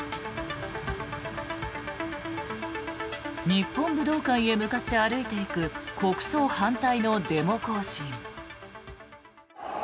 日本武道館へ向かって歩いていく国葬反対のデモ行進。